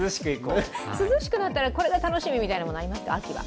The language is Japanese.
涼しくなったら、これが楽しみみたいなことはありますか、秋は。